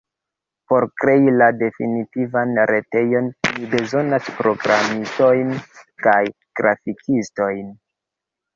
Por krei la definitivan retejon ni bezonas programistojn kaj grafikiston.